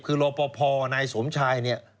คือรอปภนายสมชายเนี่ย